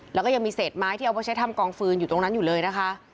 แล้วก็ยังมีเศษไม้ที่เอาไว้ใช้ทำกองฟืนอยู่ตรงนั้นอยู่เลยนะคะ